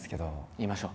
言いましょう！